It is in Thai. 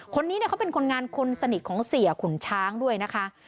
คนนี้เขาเป็นคนงานคนสนิทของเสียขุนช้างด้วยนะคะ